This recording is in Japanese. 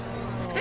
え？